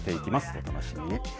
お楽しみに。